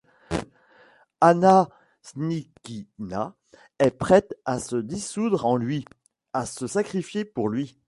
Anna Snitkina était prête à se dissoudre en lui, à se sacrifier pour lui.